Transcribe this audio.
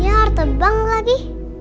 iya tebang lagi